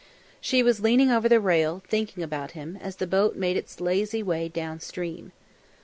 She was leaning over the rail, thinking about him, as the boat made its lazy way down stream.